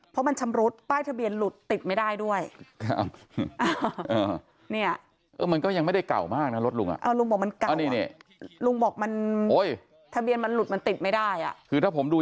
เพราะมันชำรุดป้ายทะเบียนหลุดติดไม่ได้ด้วย